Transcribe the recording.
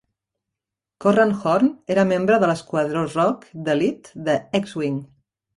Corran Horn era membre de l'esquadró Rogue d'elit de X-wing.